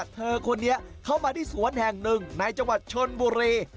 เธอคนนี้เข้ามาที่สวนแห่งหนึ่งในจังหวัดชนบุรี